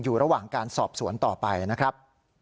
อยู่ระหว่างการสอบสวนต่อไปนะครับ